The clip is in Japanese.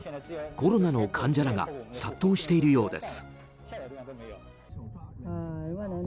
コロナの患者らが殺到しているようです。